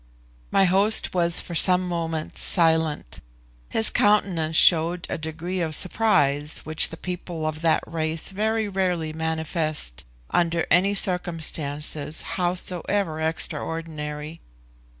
My host was for some moments silent; his countenance showed a degree of surprise which the people of that race very rarely manifest under any circumstances, howsoever extraordinary.